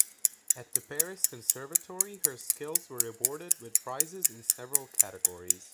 At the Paris Conservatory her skills were rewarded with prizes in several categories.